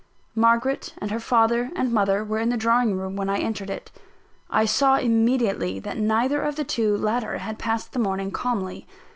Margaret and her father and mother were in the drawing room when I entered it. I saw immediately that neither of the two latter had passed the morning calmly.